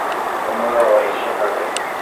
তোমার আবার ঈর্ষা কাকে?